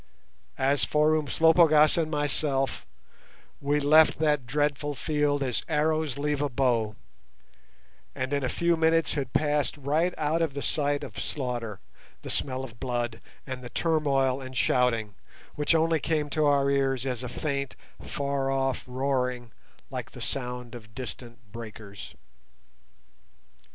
As for Umslopogaas and myself, we left that dreadful field as arrows leave a bow, and in a few minutes had passed right out of the sight of slaughter, the smell of blood, and the turmoil and shouting, which only came to our ears as a faint, far off roaring like the sound of distant breakers.